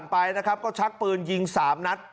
พวกมันขี่รถผ่านไปนะครับก็ชักปืนยิง๓นัก